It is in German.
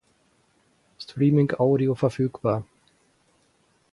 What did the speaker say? Streaming Audio verfügbar.